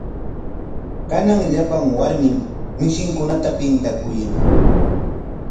Kanan llapan warmim shiminkunata pintakuyan.